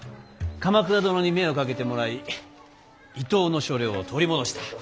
鎌倉殿に目をかけてもらい伊東の所領を取り戻した。